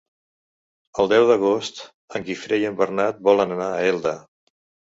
El deu d'agost en Guifré i en Bernat volen anar a Elda.